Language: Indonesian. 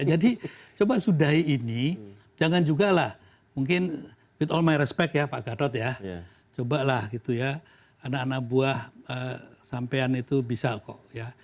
jadi coba sudahi ini jangan juga lah mungkin with all my respect ya pak gadot ya cobalah gitu ya anak anak buah sampean itu bisa kok ya